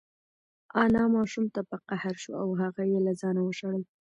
انا ماشوم ته په قهر شوه او هغه یې له ځانه وشړل.